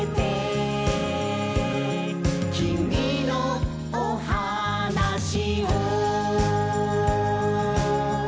「きみのおはなしを」